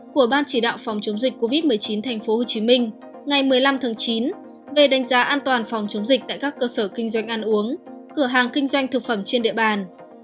của ban chỉ đạo phòng chống dịch covid một mươi chín tp hcm ngày một mươi năm tháng chín về đánh giá an toàn phòng chống dịch tại các cơ sở kinh doanh ăn uống cửa hàng kinh doanh thực phẩm trên địa bàn